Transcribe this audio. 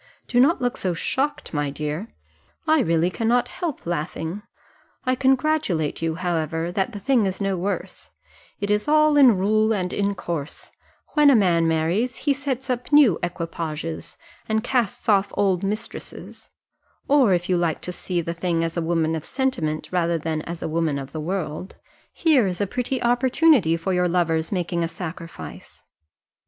Do not look so shocked, my dear I really cannot help laughing. I congratulate you, however, that the thing is no worse it is all in rule and in course when a man marries, he sets up new equipages, and casts off old mistresses; or if you like to see the thing as a woman of sentiment rather than as a woman of the world, here is the prettiest opportunity for your lover's making a sacrifice.